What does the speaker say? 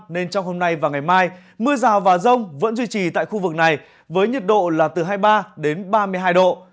nên trong hôm nay và ngày mai mưa rào và rông vẫn duy trì tại khu vực này với nhiệt độ là từ hai mươi ba đến ba mươi hai độ